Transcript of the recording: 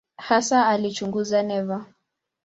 Hasa alichunguza neva.